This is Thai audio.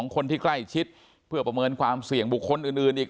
คนที่ใกล้ชิดเพื่อประเมินความเสี่ยงบุคคลอื่นอีก